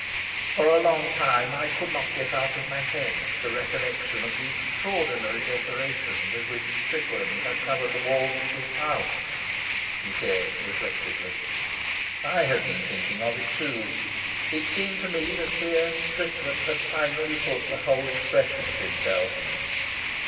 "For a long time I could not get out of my head the recollection of the extraordinary decoration with which Strickland had covered the walls of his house," he said reflectively. I had been thinking of it, too. It seemed to me that here Strickland had finally put the whole expression of himself.